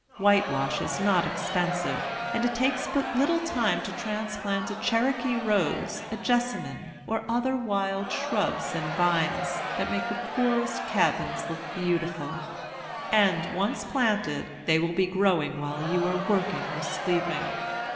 Whitewash is not expensive; and it takes but little time to transplant a cherokee rose, a jessamine, or other wild shrubs and vines, that make the poorest cabin look beautiful; and, once planted, they will be growing while you are working or sleeping.